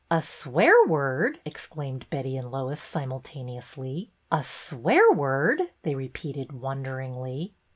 ''A swear word!" exclaimed Betty and Lois, simultaneously. '' A swear word !" they re peated wonderingly.